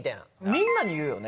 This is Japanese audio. みんなに言うよね？